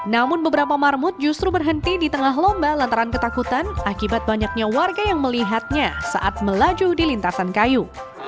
namun beberapa marmut justru berhenti di tengah lomba lantaran ketakutan akibat banyaknya warga yang melihatnya saat melaju di lintasan kayu